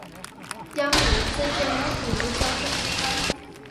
त्यामुळे तिचा चेहरा तुलनेत जाऊ शकते काय?